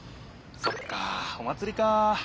そっかお祭りか。